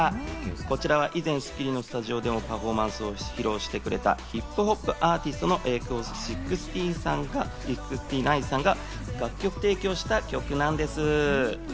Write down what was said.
こちらは以前『スッキリ』のスタジオでもパフォーマンスを披露してくれたヒップホップアーティストのＡＫ−６９さんが楽曲提供した曲なんです。